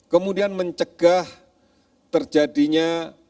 kemudian mencegah terjadinya